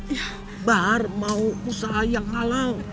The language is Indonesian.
ibu bahar mau usaha yang halal